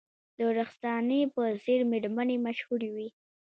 د رخسانې په څیر میرمنې مشهورې وې